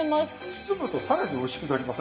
包むと更においしくなりません？